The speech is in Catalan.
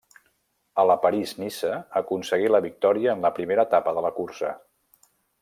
A la París-Niça aconseguí la victòria en la primera etapa de la cursa.